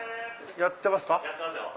やってますよ。